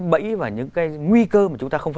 bẫy và những cái nguy cơ mà chúng ta không